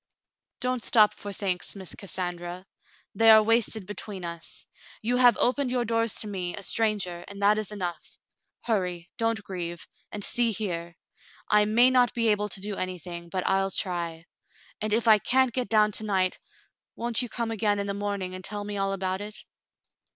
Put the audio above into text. "Don't stop for thanks. Miss Cassandra; they are wasted between us. You have opened your doors to me, a stranger, and that is enough. Hurry, don't grieve — and see here : I may not be able to do anything, but I'll try; and if I can't get down to night, won't you come again in the morning and tell me all about it